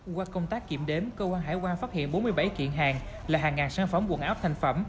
qua công tác kiểm đếm cơ quan hải quan phát hiện bốn mươi bảy kiện hàng là hàng ngàn sản phẩm quần áo thành phẩm